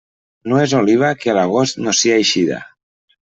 No és oliva que a l'agost no sia eixida.